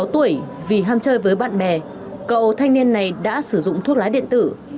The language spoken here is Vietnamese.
sáu tuổi vì ham chơi với bạn bè cậu thanh niên này đã sử dụng thuốc lá điện tử